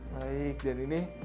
baik dan ini